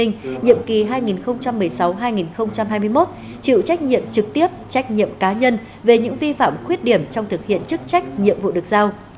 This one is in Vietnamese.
nhiệm kỳ hai nghìn một mươi sáu hai nghìn hai mươi một chịu trách nhiệm trực tiếp trách nhiệm cá nhân về những vi phạm khuyết điểm trong thực hiện chức trách nhiệm vụ được giao